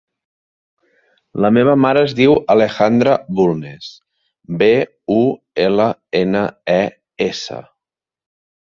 La meva mare es diu Alejandra Bulnes: be, u, ela, ena, e, essa.